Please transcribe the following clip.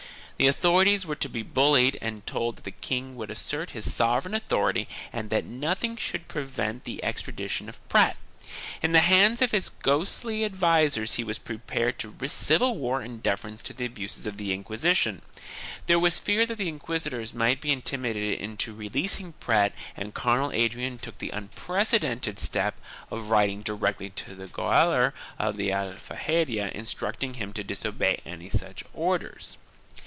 The authorities were to be bullied and told that the king would assert his sovereign authority and that nothing should prevent the extradition of Prat. In the hands of his ghostly advisers he was prepared to risk civil war in defence of the abuses of the Inquisition. There was fear that the inquisitors might be intimidated into releasing Prat and Cardinal Adrian took the unprecedented step of writing directly to the gaoler of the Aljaferia instructing him to disobey any such orders.